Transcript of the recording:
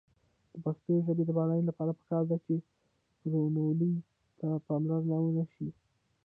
د پښتو ژبې د بډاینې لپاره پکار ده چې روانوالي ته پاملرنه وشي.